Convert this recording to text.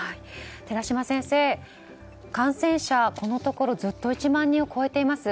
寺嶋先生、感染者このところずっと１万人を超えています。